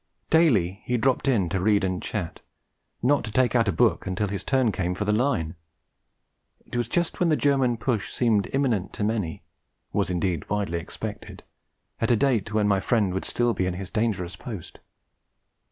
Daily he dropped in to read and chat; not to take out a book until his turn came for the Line. It was just when the German push seemed imminent to many, was indeed widely expected at a date when my friend would still be at his dangerous post.